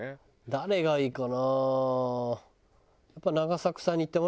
誰がいいかな？